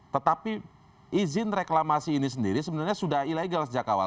tetapi izin reklamasi ini sendiri sebenarnya sudah ilegal sejak awal